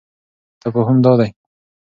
تفاهم دادی: